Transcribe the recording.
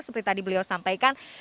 seperti tadi beliau sampaikan